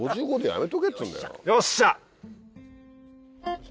よっしゃ！